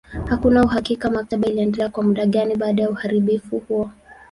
Hakuna uhakika maktaba iliendelea kwa muda gani baada ya uharibifu huo.